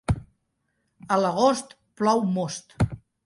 A l'agost, plou most.